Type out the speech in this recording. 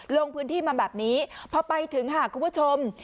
ลงพื้นที่มาแบบนี้พอไปถึงค่ะคุณผู้ชม